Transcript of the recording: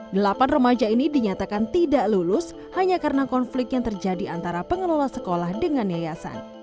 delapan remaja ini dinyatakan tidak lulus hanya karena konflik yang terjadi antara pengelola sekolah dengan yayasan